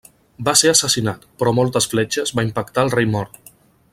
Va ser assassinat, però moltes fletxes va impactar el rei mort.